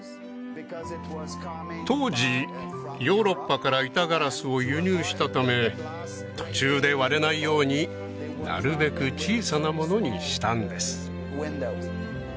当時ヨーロッパから板ガラスを輸入したため途中で割れないようになるべく小さなものにしたんです